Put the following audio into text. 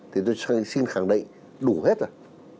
thì tôi xin khẳng định đủ hết rồi